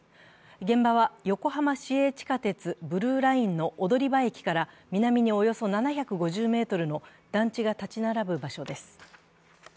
現場は横浜市営地下鉄ブルーラインの南におよそ７５０ｍの団地が建ち並ぶ場所です。